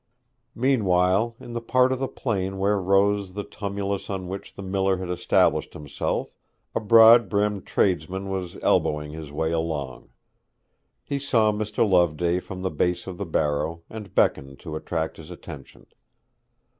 Meanwhile, in the part of the plain where rose the tumulus on which the miller had established himself, a broad brimmed tradesman was elbowing his way along. He saw Mr. Loveday from the base of the barrow, and beckoned to attract his attention.